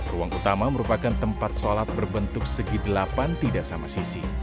ruang utama merupakan tempat sholat berbentuk segi delapan tidak sama sisi